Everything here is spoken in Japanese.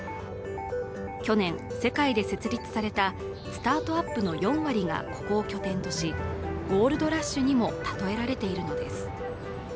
去年、世界で設立されたスタートアップの４割がここを拠点とし、ゴールドラッシュにも例えられているのです。